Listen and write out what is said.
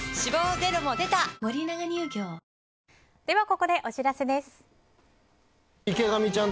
ここでお知らせです。